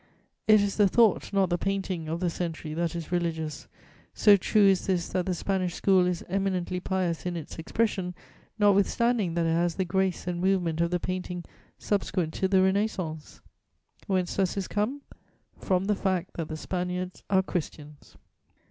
It is the thought, not the painting, of the century that is religious; so true is this, that the Spanish School is eminently pious in its expression, notwithstanding that it has the grace and movement of the painting subsequent to the Renascence. Whence does this come? From the fact that _the Spaniards are Christians.